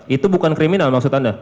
itu bukan kriminal maksud anda